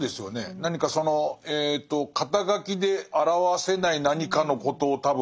何かその肩書で表せない何かのことを多分。